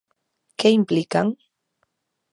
Que implican?